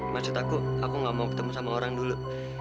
maksud aku aku gak mau ketemu sama orang dulu